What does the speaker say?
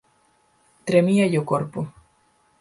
Tremíalle o corpo.